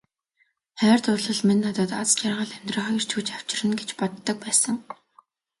Хайр дурлал минь надад аз жаргал, амьдрах эрч хүч авчирна гэж боддог байсан.